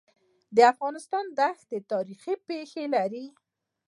د افغانستان دښتي تاریخي پېښې لري.